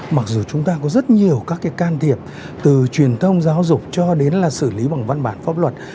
mặc dù chúng ta có rất nhiều các cái can thiệp từ truyền thông giáo dục cho đến là xử lý bằng văn bản pháp luật